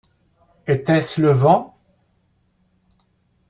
Était-ce le vent?